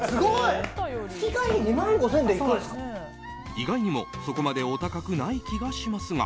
意外にも、そこまでお高くない気がしますが。